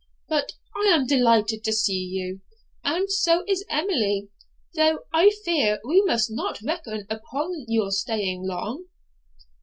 But I am delighted to see you, and so is Emily, though I fear we must not reckon upon your staying long.'